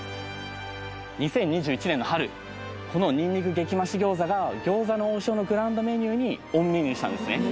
このにんにく激増し餃子が餃子の王将のグランドメニューにオンメニューしたんですね